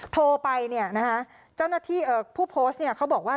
โทรไปเจ้านัทธิผู้โพสต์เขาบอกว่า